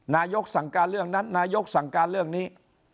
สั่งการเรื่องนั้นนายกสั่งการเรื่องนี้